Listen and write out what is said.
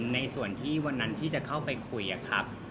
ในส่วนที่วันนั้นที่จะเข้าไปคุยครับ